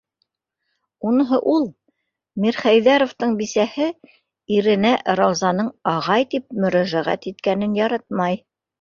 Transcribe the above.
Уныһы - ул, Мирхәйҙәровтың бисәһе иренә Раузаның «ағай» тип мөрәжәғәт иткәнен яратмай.